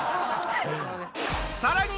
さらに。